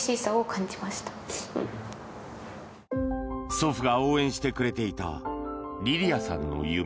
祖父が応援してくれていたリリアさんの夢。